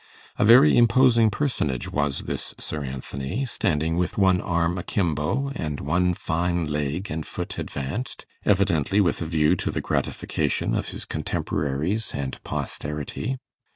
A very imposing personage was this Sir Anthony, standing with one arm akimbo, and one fine leg and foot advanced, evidently with a view to the gratification of his contemporaries and posterity.